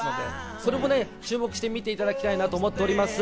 それも注目して見ていただきたいなと思っております。